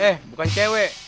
eh bukan cewek